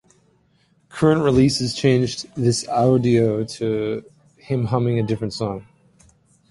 Current releases changed this audio to him humming a different song.